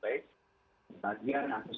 bagian sebagian besar hotel hotel mewah full